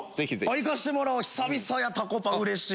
行かせてもらおう久々やタコパうれしい。